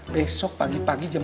besok pagi pagi jam empat